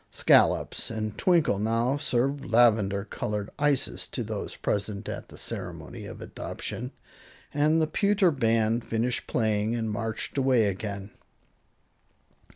Scollops and Twinkle now served lavender colored ices to those present at the Ceremony of Adoption, and the pewter band finished playing and marched away again.